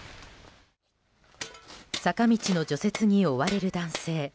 坂道の除雪に追われる男性。